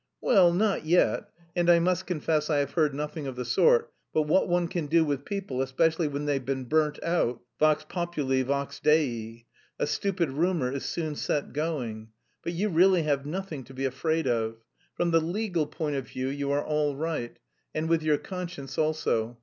"Well, not yet, and I must confess I have heard nothing of the sort, but what one can do with people, especially when they've been burnt out! Vox populi vox Dei. A stupid rumour is soon set going. But you really have nothing to be afraid of. From the legal point of view you are all right, and with your conscience also.